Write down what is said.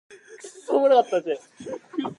Conway was born in Walnut Ridge, Arkansas.